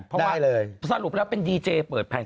เพราะว่าสรุปแล้วเป็นดีเจเปิดแพลน